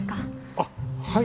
あっはい！